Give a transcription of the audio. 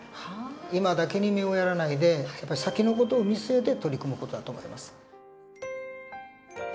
今だけに目をやらないで先の事を見据えて取り組む事だと思います。